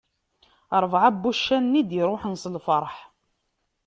Rebɛa n wuccanen i d-iruḥen s lferḥ.